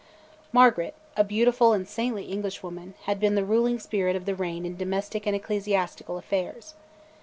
Margaret, a beautiful and saintly Englishwoman, had been the ruling spirit of the reign in domestic and ecclesiastical affairs.